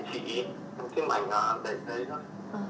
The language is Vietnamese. thêm ảnh là